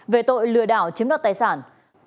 về tội lừa đảo chiếm đoạt tài sản